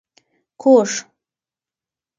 کوږ